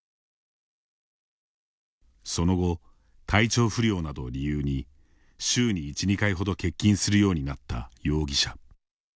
その後、体調不良などを理由に週に１２回ほど欠勤するようになった容疑者。